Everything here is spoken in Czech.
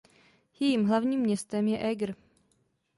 Jejím hlavním městem je Eger.